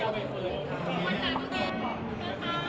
มันยอดทั้งประโยคเกิด